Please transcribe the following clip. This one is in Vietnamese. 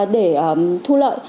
để thu lợi